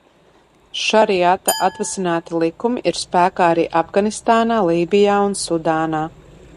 Šariata atvasināti likumi ir spēkā arī Afganistānā, Lībijā un Sudānā.